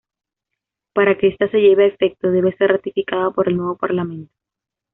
Para que esta se lleve a efecto, debe ser ratificada por el nuevo parlamento.